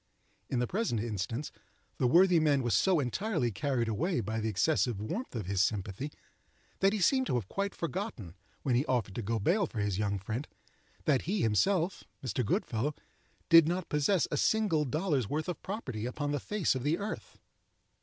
In the present instance the worthy man was so entirely carried away by the excessive warmth of his sympathy, that he seemed to have quite forgotten, when he offered to go bail for his young friend, that he himself (Mr. Goodfellow) did not possess a single dollar's worth of property upon the face of the earth.